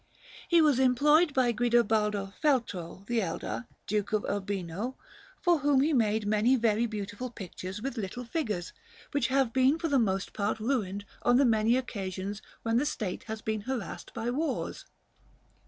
He was employed by Guidobaldo Feltro the elder, Duke of Urbino, for whom he made many very beautiful pictures with little figures, which have been for the most part ruined on the many occasions when that state has been harassed by wars.